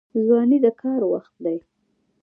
ځواني د کار وخت دی